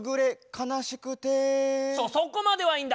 そうそこまではいいんだ。